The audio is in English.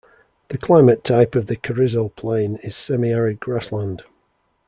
The climate type of the Carrizo Plain is semi-arid grassland.